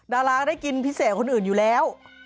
ดาราได้กินพิเศษคนอื่นอยู่แล้ว